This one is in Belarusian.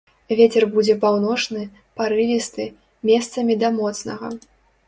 Вецер будзе паўночны, парывісты, месцамі да моцнага.